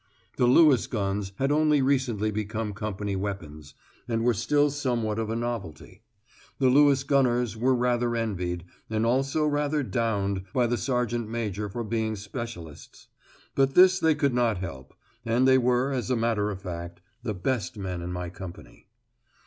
The Lewis guns had only recently become company weapons, and were still somewhat of a novelty. The Lewis gunners were rather envied, and also rather "downed" by the sergeant major for being specialists. But this they could not help; and they were, as a matter of fact, the best men in my company.